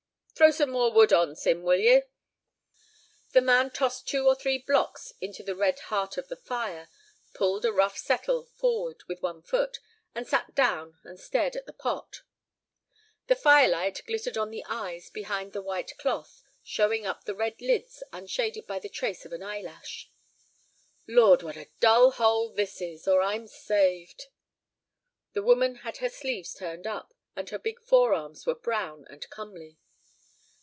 "Throw some more wood on, Sim, will ye?" The man tossed two or three blocks into the red heart of the fire, pulled a rough settle forward with one foot, and sat down and stared at the pot. The firelight glittered on the eyes behind the white cloth, showing up the red lids unshaded by the trace of an eyelash. "Lord, what a dull hole this is, or I'm saved!" The woman had her sleeves turned up, and her big forearms were brown and comely.